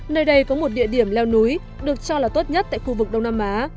nơi đây có một địa điểm leo núi được cho là tốt nhất tại khu vực đông nam á